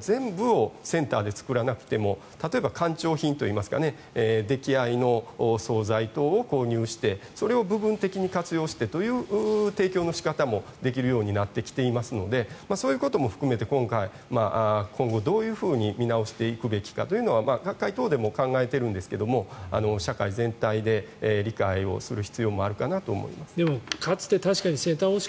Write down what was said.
全部をセンターで作らなくても例えば官庁品といいますか出来前の総菜等を購入してそれを部分的に活用してという提供の仕方もできるようになってきていますのでそういうことも含めて今後どう見直していくべきかというのは学会等でも考えているんですが社会全体で理解する必要もあるかなと思います。